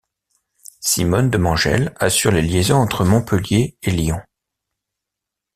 Simone Demangel assure les liaisons entre Montpellier et Lyon.